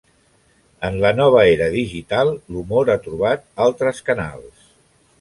En la nova era digital, l'humor ha trobat altres canals.